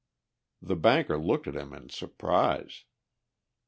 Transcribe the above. The banker looked at him in surprise.